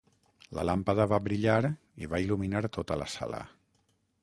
La làmpada va brillar i va il·luminar tota la sala.